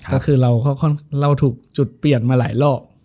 ก็คือเราถูกจุดเปลี่ยนมาหลายรอบ